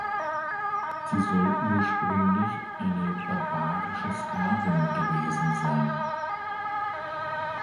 Sie soll ursprünglich eine barbarische Sklavin gewesen sein.